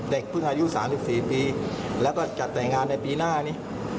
เด็กเพิ่งอายุสามสิบสี่ปีแล้วก็จะแต่งงานในปีหน้านี้